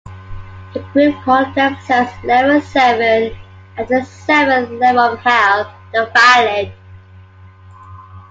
The group called themselves Level Seven after the seventh level of hell, the "violent".